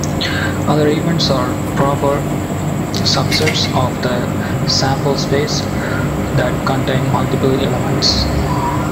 Other events are proper subsets of the sample space that contain multiple elements.